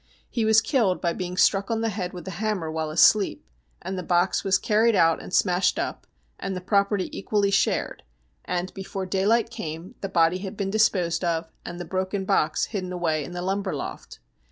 He was killed by being struck on the head with a hammer while asleep, and the box was carried out and smashed up, and the property equally shared, and, before daylight came, the body had been disposed of, and the broken box hidden away in the lumber loft.